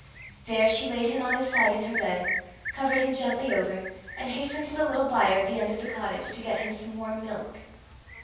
There she laid him on his side in her bed, covered him gently over, and hastened to the little byre at the end of the cottage, to get him some warm milk.